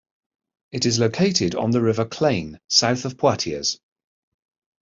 It is located on the River Clain, south of Poitiers.